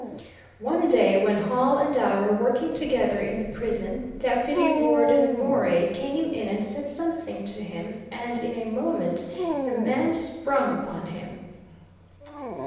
One day when Hall and I were working together in the prison, Deputy Warden Morey came in and said something to him, and in a moment the man sprung upon him.